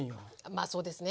まあそうですね。